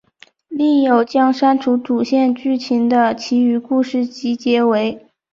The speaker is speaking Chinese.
另有将删除主线剧情的其余故事集结为。